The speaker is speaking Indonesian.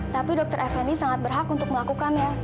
tapi dokter effendi sangat berhak untuk melakukannya